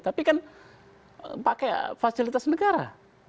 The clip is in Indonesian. tapi kan pakai fasilitas negara